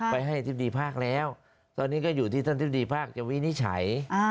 ไปให้อธิบดีภาคแล้วตอนนี้ก็อยู่ที่ท่านธิบดีภาคจะวินิจฉัย